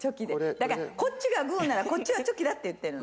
だからこっちがグーならこっちはチョキだって言ってるの。